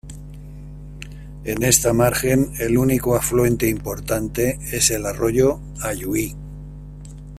En esta margen el único afluente importante es el arroyo Ayuí.